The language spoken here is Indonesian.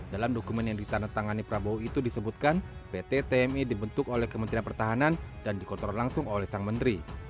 dalam dokumen yang ditandatangani prabowo itu disebutkan pt tmi dibentuk oleh kementerian pertahanan dan dikontrol langsung oleh sang menteri